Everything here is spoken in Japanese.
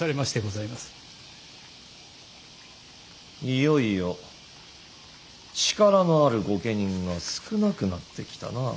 いよいよ力のある御家人が少なくなってきたな。